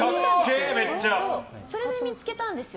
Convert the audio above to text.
それで見つけたんですよ。